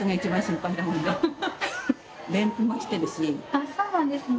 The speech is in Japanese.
あっそうなんですね。